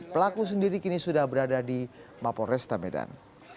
pelaku sendiri kini sudah berada di mapo resta medan